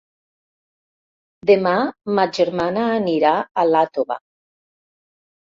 Demà ma germana anirà a Iàtova.